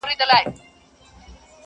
څه ووایم چي یې څرنګه آزار کړم!